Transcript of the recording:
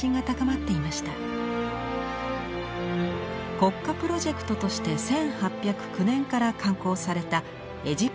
国家プロジェクトとして１８０９年から刊行された「エジプト誌」。